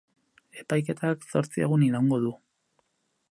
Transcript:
Epaiketak zortzi egun iraungo du.